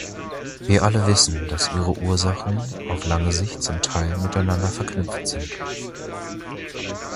Wir alle wissen, dass ihre Ursachen auf lange Sicht zum Teil miteinander verknüpft sind.